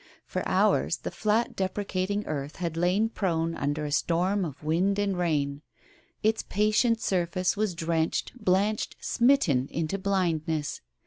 For hours the flat, deprecating earth had lain prone under a storm of wind and rain. Its patient sur face was drenched, blanched, smitten into blindness.